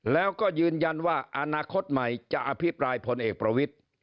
แล้วก็ยืนยันว่าอนาคตใหม่จะอภิปรายพลเอกประวิทธิ์